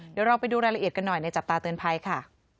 เดี๋ยวเราไปดูรายละเอียดกันหน่อยในจับตาเตือนภัยค่ะ